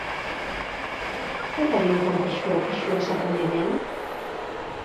Zer da benetan pisua, pisua esaten denean?